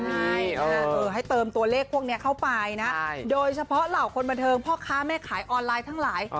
ใช่ให้เติมตัวเลขพวกนี้เข้าไปนะโดยเฉพาะเหล่าคนบันเทิงพ่อค้าแม่ขายออนไลน์ทั้งหลาย